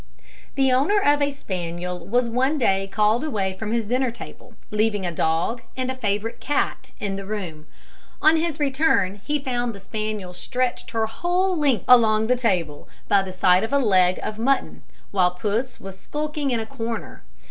The owner of a spaniel was one day called away from his dinner table, leaving a dog and a favourite cat in the room. On his return he found the spaniel stretched her whole length along the table, by the side of a leg of mutton, while Puss was skulking in a corner.